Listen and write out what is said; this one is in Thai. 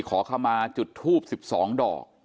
ขอเข้ามาจุดทูบสิบสองดอก